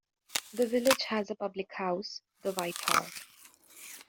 The village has a public house, the White Hart.